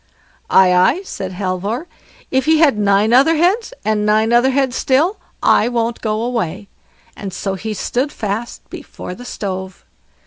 "Aye, aye", said Halvor, "if he had nine other heads, and nine other heads still, I won't go away", and so he stood fast before the stove.